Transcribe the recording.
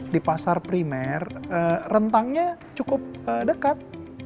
di pasar primer rentangnya cukup dekat